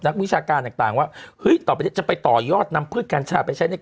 นักวิชากาศต่างว่าว่าจะไปต่อยอดนำเผชิตการชาไปใช้